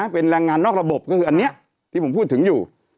เป็นแรงงานนอกระบบก็คืออันนี้ที่ผมพูดถึงอยู่